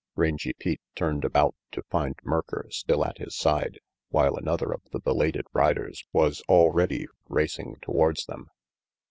Rangy Pete turned about to find Merker still at his side, while another of the belated riders was already racing towards them.